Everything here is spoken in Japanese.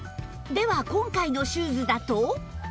では今回のシューズだと